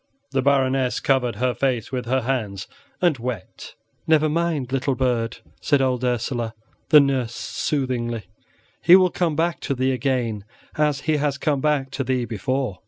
The Baroness covered her face with her hands and wept. "Never mind, little bird," said old Ursela, the nurse, soothingly; "he will come back to thee again as he has come back to thee before."